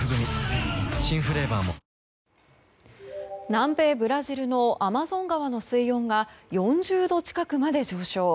南米ブラジルのアマゾン川の水温が４０度近くまで上昇。